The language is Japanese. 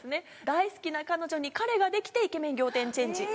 大好きな彼女に彼ができてイケメン仰天チェンジ。